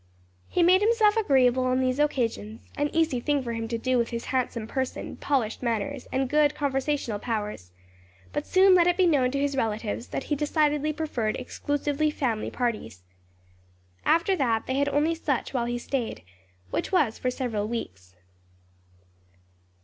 He made himself agreeable on these occasions; an easy thing for him to do with his handsome person, polished manners and good conversational powers but soon let it be known to his relatives that he decidedly preferred exclusively family parties. After that they had only such while he staid, which was for several weeks.